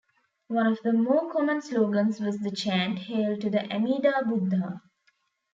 One of the more common slogans was the chant, Hail to the Amida Buddha!